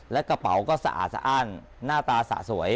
และกระเป๋าก็สะอาดสะอ้านหน้าตาสะสวย